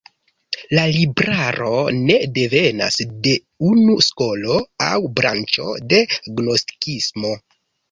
La libraro ne devenas de unu skolo aŭ branĉo de gnostikismo.